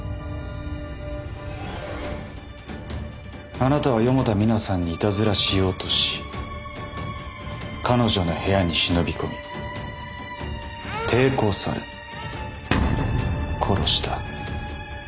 あなたは四方田己奈さんにいたずらしようとし彼女の部屋に忍び込み抵抗され殺した。